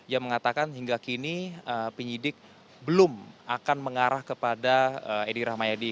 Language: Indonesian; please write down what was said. yang mengatakan hingga kini penyidik belum akan mengarah kepada edi rahmayadi